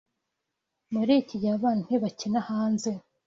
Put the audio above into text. Muri iki gihe abana ntibakina hanze